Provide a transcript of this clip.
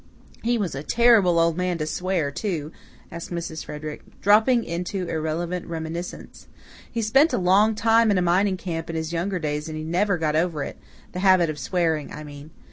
He was a terrible old man to swear, too," added Mrs. Frederick, dropping into irrelevant reminiscence. "He spent a long while in a mining camp in his younger days and he never got over it the habit of swearing, I mean.